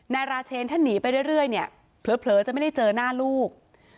ราเชนถ้าหนีไปเรื่อยเนี่ยเผลอจะไม่ได้เจอหน้าลูก